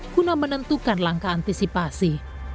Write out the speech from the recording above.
guna menentukan langkah antisipasi